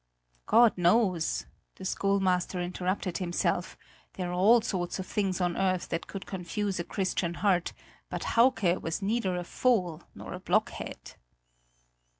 God knows, the schoolmaster interrupted himself, there are all sorts of things on earth that could confuse a Christian heart, but Hauke was neither a fool nor a blockhead.